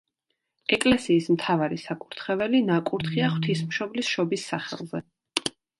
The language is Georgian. ეკლესიის მთავარი საკურთხეველი ნაკურთხია ღვთისმშობლის შობის სახელზე.